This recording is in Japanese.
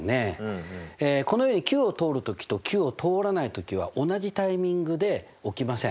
このようにＱを通る時とＱを通らない時は同じタイミングで起きません。